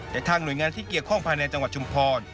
แต่ทางหน่วยงานที่เกี่ยวข้องภายในจังหวัดชุมพร